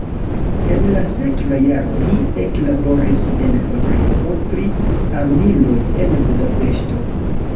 En la sekva jaro li eklaboris en fabriko pri armiloj en Budapeŝto.